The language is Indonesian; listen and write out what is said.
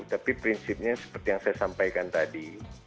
tapi prinsipnya seperti yang saya sampaikan tadi